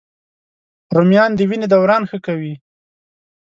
رومیان د وینې دوران ښه کوي